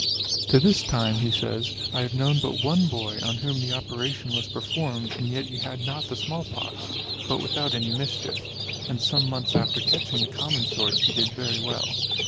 To this time, he says, I have known but one boy, on whom the operation was performed, and yet he had not the small pox, but without any mischief; and some months after catching the common sort, he did very well.